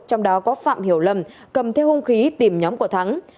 trong đó có phạm hiểu lâm cầm theo hôn khí tìm nhóm của thắng